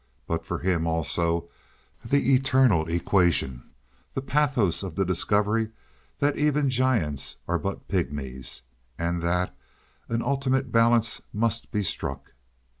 But for him also the eternal equation—the pathos of the discovery that even giants are but pygmies, and that an ultimate balance must be struck.